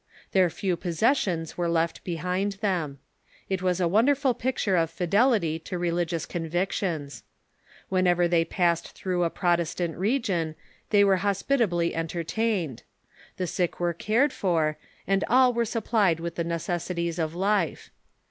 Their few possessions were left behind them. It was a wonderful picture of fidelity to religious convictions. When ever they passed through a Protestant region they were hos 21 322 THE MODERN CHURCH pitably entertained. The sick were cared for, and all were supplied with the necessities of life.